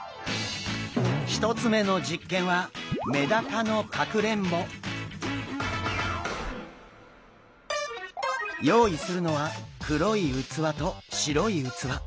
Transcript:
１つ目の実験は用意するのは黒い器と白い器。